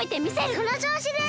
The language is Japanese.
そのちょうしです！